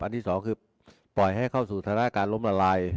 อันที่๒คือปล่อยให้เข้าสู่ธนาคารล้มละลาย